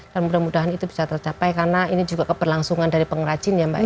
dan mudah mudahan itu bisa tercapai karena ini juga keberlangsungan dari pengrajin ya mbak ya